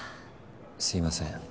すいません。